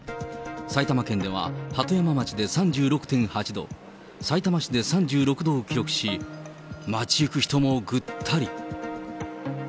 埼玉県では、鳩山町で３６．８度、さいたま市で３６度を記録し、街行く人もぐったり。